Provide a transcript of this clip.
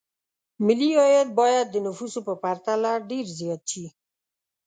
ملي عاید باید د نفوسو په پرتله ډېر زیات شي.